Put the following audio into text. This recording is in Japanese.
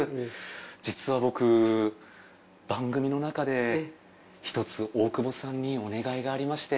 実は僕番組のなかで一つ大久保さんにお願いがありまして。